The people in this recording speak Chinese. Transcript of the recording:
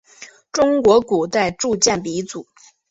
中国古代铸剑鼻祖。